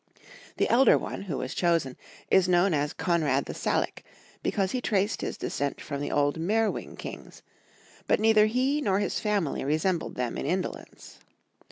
The elder one, who was chosen, is known as Konrad the Salic, because he traced his descent from the old Meerwing kings ; but neither he nor his family resembled them in indolence.